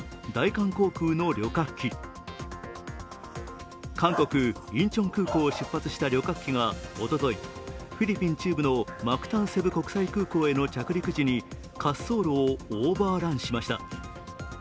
韓国・インチョン空港を出発した旅客機がおとといフィリピン中部のマクタン・セブ国際空港への着陸時に滑走路をオーバーランしました。